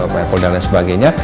maklumat dan lain sebagainya